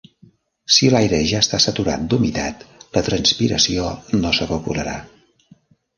Si l'aire ja està saturat d'humitat, la transpiració no s'evaporarà.